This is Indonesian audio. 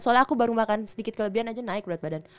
soalnya aku baru makan sedikit kelebihan aja naik berat badan